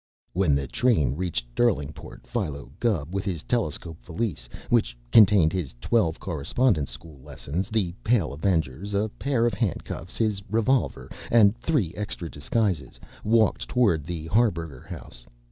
When the train reached Derlingport Philo Gubb, with his telescope valise, which contained his twelve Correspondence School lessons, "The Pale Avengers," a pair of handcuffs, his revolver, and three extra disguises, walked toward the Harburger House.